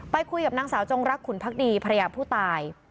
คุยกับนางสาวจงรักขุนพักดีภรรยาผู้ตาย